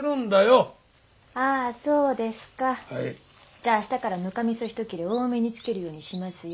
じゃあ明日からぬかみそひと切れ多めにつけるようにしますよ。